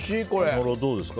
野呂、どうですか？